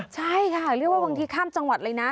ใช่ค่ะเรียกว่าบางทีข้ามจังหวัดเลยนะ